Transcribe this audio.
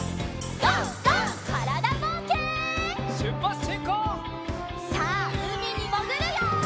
さあうみにもぐるよ！